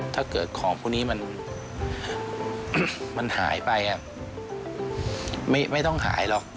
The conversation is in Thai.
ถ้าเกิดของพวกนี้มันหายไปไม่ต้องหายหรอก